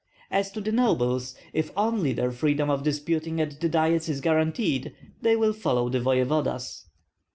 As to the nobles, if only their freedom of disputing at the diets is guaranteed, they will follow the voevodas."